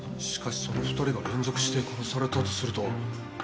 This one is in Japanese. しかしその２人が連続して殺されたとすると。